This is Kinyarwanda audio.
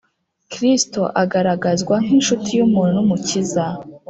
kristo agaragazwa nk’incuti y’umuntu n’umukiza